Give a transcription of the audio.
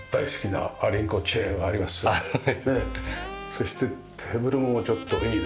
そしてテーブルもちょっといいですね。